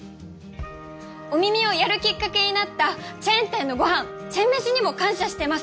「お耳」をやるきっかけになったチェーン店のごはんチェンメシにも感謝してます。